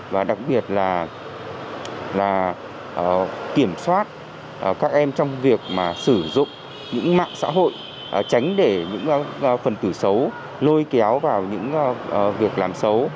và đặc biệt là kiểm soát các em trong việc sử dụng những mạng xã hội tránh để những phần tử xấu lôi kéo vào những việc làm xấu